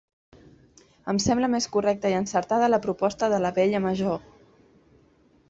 Em sembla més correcta i encertada la proposta de l'Abella Major.